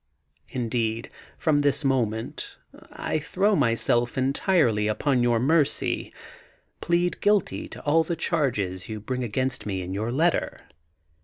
Indeed, from this moment I throw myself entirely upon your mercy, plead guilty to all the charges you bring against me in your letter.